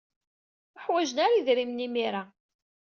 Ur ḥwajen ara idrimen imir-a.